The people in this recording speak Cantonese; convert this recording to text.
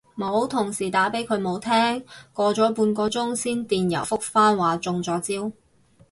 冇，同事打畀佢冇聽，過咗半個鐘先電郵覆返話中咗招